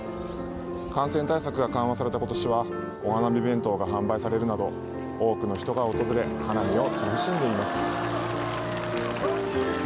感染対策が緩和された今年はお花見弁当が販売されるなど多くの人が訪れ花見を楽しんでいます。